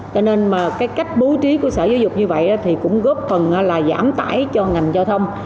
cho nên mà cái cách bố trí của sở giáo dục như vậy thì cũng góp phần là giảm tải cho ngành giao thông